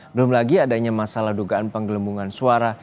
belum lagi adanya masalah dugaan penggelembungan suara